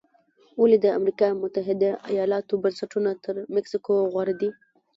ولې د امریکا متحده ایالتونو بنسټونه تر مکسیکو غوره دي؟